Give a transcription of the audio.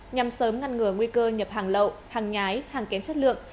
nhằm sớm ngăn ngừa nguy cơ nhập hàng lậu hàng nhái hàng kém chất lượng